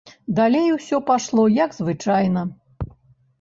Далей усё пайшло, як звычайна.